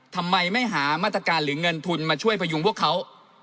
ทำไมไม่หามาตรการหรือเงินทุนมาช่วยพยุงพวกเขา